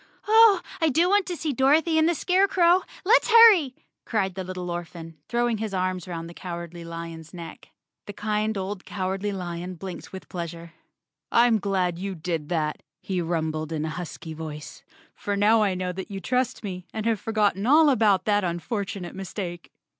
"Oh, I do want to see Dorothy and the Scarecrow! Let's hurry," cried the little orphan, throwing his arms 'round the Cowardly Lion's neck. The kind old Cowardly Lion blinked with pleasure. " I'm glad you did that," he rumbled in a husky voice, " for now I know that you trust me, and have forgotten all about that unfortunate mistake!"